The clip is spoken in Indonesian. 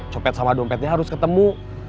copet sama dompetnya harus ketemu